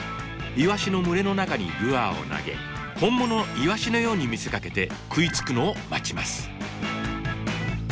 イワシの群れの中にルアーを投げ本物のイワシのように見せかけて食いつくのを待ちます。